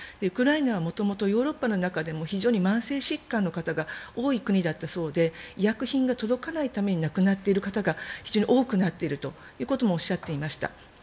ウクライナというのはヨーロッパの中でも非常に慢性疾患の方が多い国だったそうで医薬品が届かないために亡くなっている方が非常に多くなっているとおっしゃっていました。